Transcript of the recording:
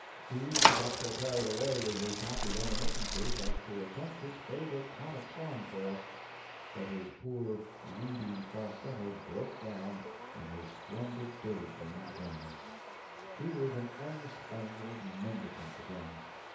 He even got so carried away with his happy reminiscences as to attempt his favorite comic song for us, but his poor reedy falsetto broke down and his splendid day dream vanished. He was an unspangled mendicant again.